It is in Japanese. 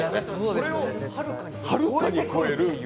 それをはるかに超えてくる。